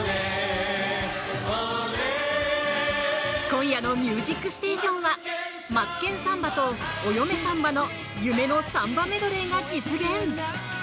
今夜の「ミュージックステーション」は「マツケンサンバ」と「お嫁サンバ」の夢のサンバメドレーが実現！